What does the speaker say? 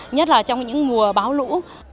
nhất là trong những mùa báo lũ